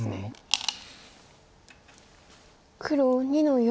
黒２の四。